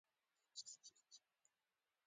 جانداد د زړونو نرمیږي.